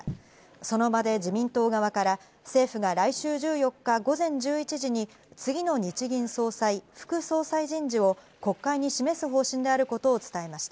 その場で自民党側から政府が来週１４日、午前１１時に次の日銀総裁・副総裁人事を国会に示す方針であることを伝えました。